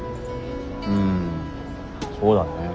うんそうだね。